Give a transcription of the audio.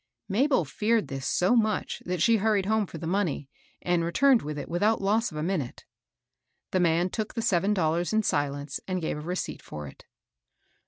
Mabel feared this so much that she hurried home for the money, and returned with it without loss of a minute. The man took the seven dollars in silence, and gave a receipt for it.